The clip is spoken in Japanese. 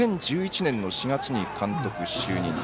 ２０１１年の４月に監督就任。